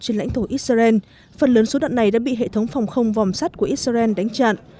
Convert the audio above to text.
trên lãnh thổ israel phần lớn số đạn này đã bị hệ thống phòng không vòm sắt của israel đánh chặn